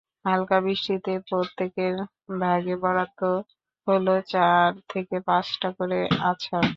হালকা বৃষ্টিতে প্রত্যেকের ভাগে বরাদ্দ হলো চার থেকে পাঁচটা করে আছাড়।